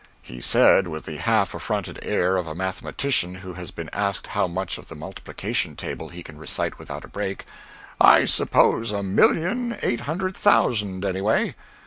He said, with the half affronted air of a mathematician who has been asked how much of the multiplication table he can recite without a break: "I suppose a million eight hundred thousand, anyway."